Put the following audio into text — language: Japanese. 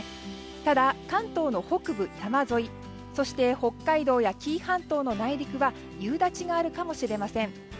ただ、関東の北部、山沿いそして北海道や紀伊半島の内陸は夕立があるかもしれません。